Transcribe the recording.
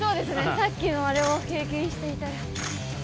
さっきのあれを経験していたら。